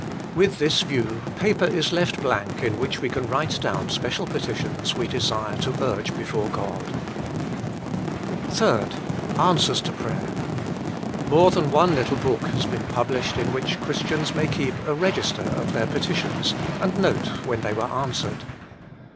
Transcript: With this view paper is left blank in which we can write down special petitions \ve desire to urge before God. 3. Answers to Prayer. More than one little book has been published in which Christians may keep a register of their petitions, and note when they were answered.